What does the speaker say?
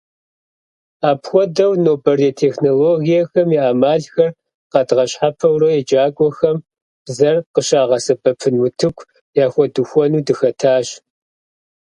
Апхуэдэу, нобэрей технологиехэм и Ӏэмалхэр къэдгъэщхьэпэурэ еджакӀуэхэм бзэр къыщагъэсэбэпын утыку яхуэдухуэну дыхэтащ.